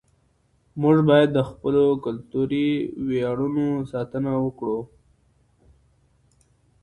موږ باید د خپلو کلتوري ویاړونو ساتنه وکړو.